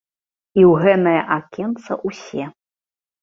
І ў гэнае акенца ўсе.